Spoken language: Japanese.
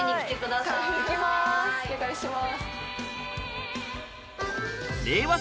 お願いします。